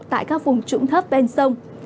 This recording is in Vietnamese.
tại các vùng trũng thấp bên sông